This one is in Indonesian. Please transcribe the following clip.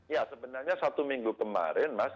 ya sebenarnya satu minggu kemarin mas